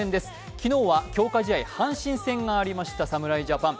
昨日は強化試合、阪神戦がありました、侍ジャパン。